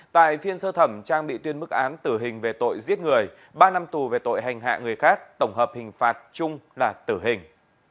tại phiên sơ thẩm trang bị tuyên mức án tử hình về tội giết người ba năm tù về tội hành hạ người khác tổng hợp hình phạt chung là tử hình